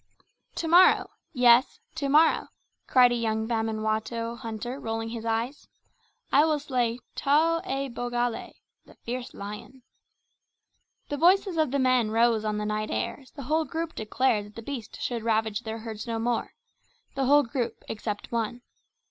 "To morrow, yes, to morrow," cried a young Bamangwato hunter rolling his eyes, "I will slay tau e bogale the fierce lion." The voices of the men rose on the night air as the whole group declared that the beast should ravage their herds no more the whole group, except one.